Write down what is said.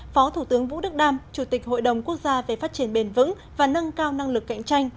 phó thủ tướng vũ đức đam chủ tịch hội đồng quốc gia về phát triển bền vững và nâng cao năng lực cạnh tranh